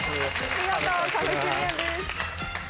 見事壁クリアです。